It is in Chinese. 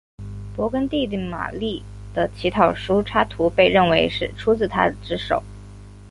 勃艮第的马丽的祈祷书插图被认为是出自他之手。